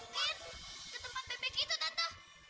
mungkin ke tempat bebek itu tata